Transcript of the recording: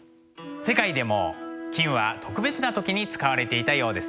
世界でも金は特別な時に使われていたようです。